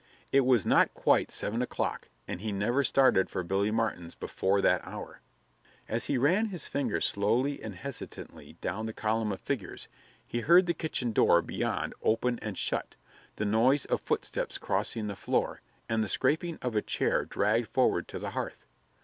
It was not quite seven o'clock, and he never started for Billy Martin's before that hour. As he ran his finger slowly and hesitatingly down the column of figures, he heard the kitchen door beyond open and shut, the noise of footsteps crossing the floor and the scraping of a chair dragged forward to the hearth.